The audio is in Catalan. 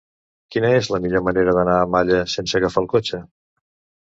Quina és la millor manera d'anar a Malla sense agafar el cotxe?